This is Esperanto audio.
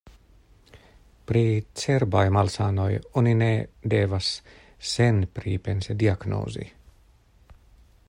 Pri cerbaj malsanoj oni ne devas senpripense diagnozi.